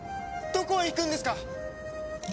どこへ行くんですか！